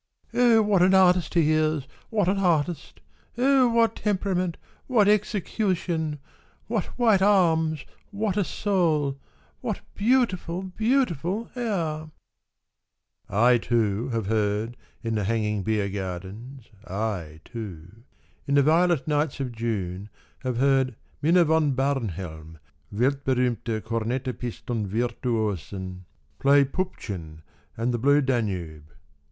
" Oh, what an artist he is, what an artist ! Oh, what temperament, what execu tion ! What white arms, what a soul, what beautiful, Beautiful hair !'' (I too Have heard in the hanging beer gardens, I too, In the violet nights of June, have heard Minna von Barnhelm, weltberiimte Kornetapistonvirtuosin play 10 Puppchen and The Blue Danube.